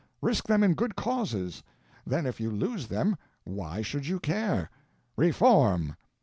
risk them in good causes; then if you lose them, why should you care? Reform!"